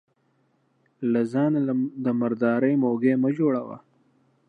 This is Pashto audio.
له ځانه د مرداري موږى مه جوړوه.